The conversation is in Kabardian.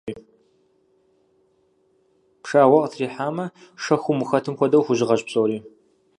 Пшагъуэ къытрихьамэ, шэхум ухэтым хуэдэу хужьыгъэщ псори.